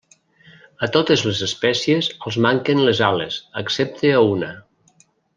A totes les espècies els manquen les ales, excepte a una.